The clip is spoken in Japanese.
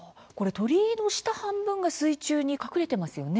鳥居の下半分が水中に隠れてますよね。